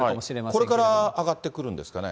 これから上がってくるんですかね。